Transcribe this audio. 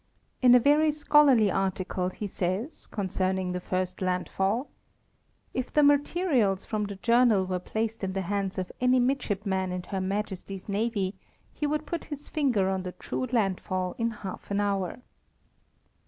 In a very scholarly article he says, concerning the first landfall: "If the materials from the Journal were placed in the hands of any midshipman in Her Majesty's navy, he would put his finger on the true landfall in halfan hour."